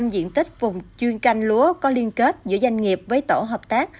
một trăm linh diện tích vùng chuyên canh lúa có liên kết giữa doanh nghiệp với tổ hợp tác